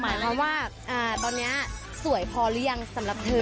หมายความว่าตอนนี้สวยพอหรือยังสำหรับเธอ